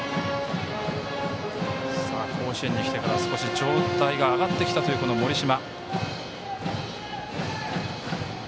甲子園に来てから少し状態が上がってきたという盛島。